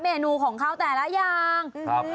เมนูของเขาแต่ละอย่าง